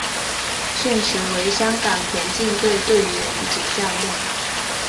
现时为香港田径队队员及教练。